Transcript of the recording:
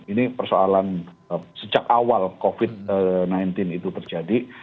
ini persoalan sejak awal covid sembilan belas itu terjadi